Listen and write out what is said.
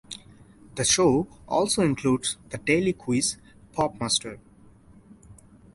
The show also includes the daily quiz, PopMaster.